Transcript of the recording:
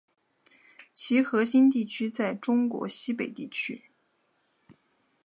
其核心地区在中国西北地区。